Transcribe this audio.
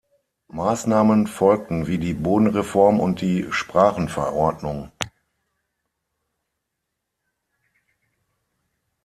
Maßnahmen folgten wie die Bodenreform und die Sprachenverordnung.